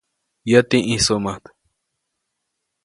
Yäti ʼĩjsuʼmät.